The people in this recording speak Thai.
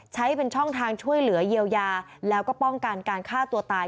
ใช้เป็นช่องทางช่วยเหลือเยียวยาแล้วก็ป้องกันการฆ่าตัวตาย